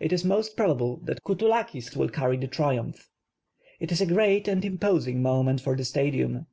It is most probable that Coutoulakis will carry the triumph. That is a great and imposing moment for the Stadium.